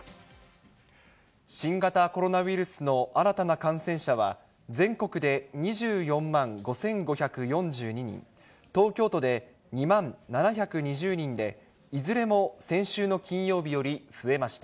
新型コロナウイルスの新たな感染者は、全国で２４万５５４２人、東京都で２万７２０人で、いずれも先週の金曜日より増えました。